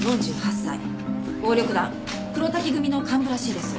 暴力団黒瀧組の幹部らしいです。